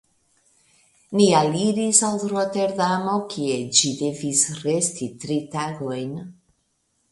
Ni aliris al Roterdamo, kie ĝi devis resti tri tagojn.